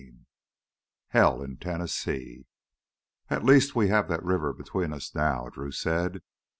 14 Hell in Tennessee "At least we have that river between us now," Drew said.